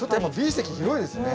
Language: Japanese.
席広いですね。